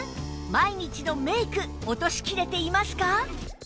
毎日のメイク落としきれていますか？